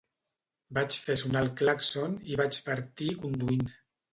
Vaig fer sonar el clàxon i vaig partir conduint.